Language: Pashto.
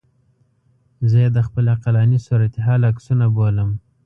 زه یې د خپل عقلاني صورتحال عکسونه بولم.